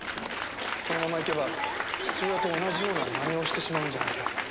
このままいけば父親と同じような真似をしてしまうんじゃないか。